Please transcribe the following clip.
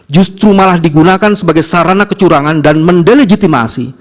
justru malah digunakan sebagai sarana kecurangan dan mendelegitimasi